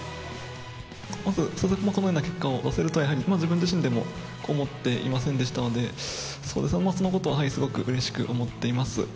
まずこのような結果を出せると、やはり自分自身でも思っていませんでしたので、そのことはすごくうれしく思っています。